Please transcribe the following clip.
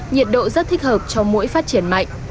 nhiệt độ rất thích hợp cho mũi phát triển mạnh